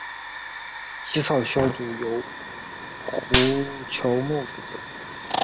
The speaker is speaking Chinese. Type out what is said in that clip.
起草小组由胡乔木负责。